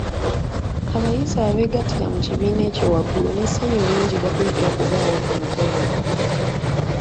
Abayizi abeegattira mu kibiina ekyo waggulu n’essanyu lingi bakuyita okubaawo ku mukolo.